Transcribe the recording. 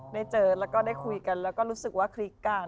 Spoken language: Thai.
ได้เจอแล้วก็ได้คุยกันแล้วก็รู้สึกว่าคลิกกัน